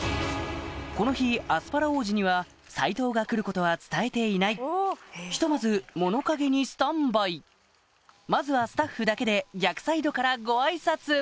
この日アスパラ王子には斎藤が来ることは伝えていないひとまず物陰にスタンバイまずはスタッフだけで逆サイドからごあいさつ